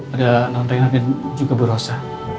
ada nantai nantai juga berosa